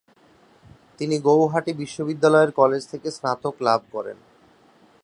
তিনি গৌহাটি বিশ্ববিদ্যালয়ের কলেজ থেকে স্নাতক লাভ করেন।